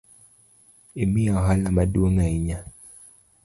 Imiya ohala maduong’ ahinya